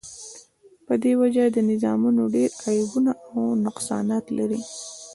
په دی وجه دا نظامونه ډیر عیبونه او نقصانات لری